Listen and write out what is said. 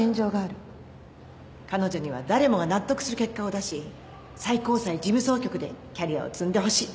彼女には誰もが納得する結果を出し最高裁事務総局でキャリアを積んでほしい。